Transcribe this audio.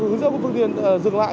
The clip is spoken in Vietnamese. hướng dẫn phương tiện dừng lại